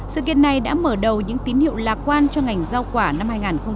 sự kiện này đã mở đầu những tín hiệu lạc quan cho ngành rau quả năm hai nghìn một mươi tám